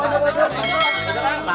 mas idan masuk